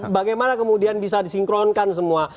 bagaimana kemudian bisa disinkronkan semua